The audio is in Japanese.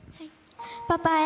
パパへ。